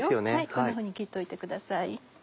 こんなふうに切っておいてください。